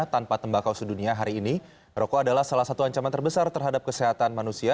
tanpa tembakau sedunia hari ini rokok adalah salah satu ancaman terbesar terhadap kesehatan manusia